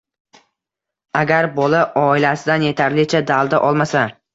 Agar bola oilasidan yetarlicha dalda olmasa